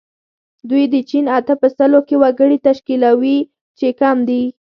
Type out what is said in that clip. دوی د چین اته په سلو کې وګړي تشکیلوي چې کم دي.